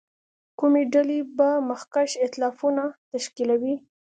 کومې ډلې به مخکښ اېتلافونه تشکیلوي.